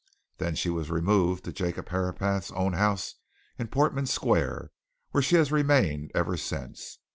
Then she was removed to Jacob Herapath's own house in Portman Square, where she has remained ever since.